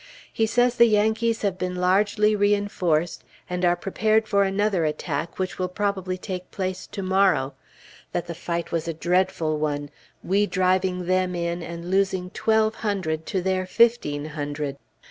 He says the Yankees have been largely reinforced, and are prepared for another attack which will probably take place to morrow; that the fight was a dreadful one, we driving them in, and losing twelve hundred, to their fifteen hundred.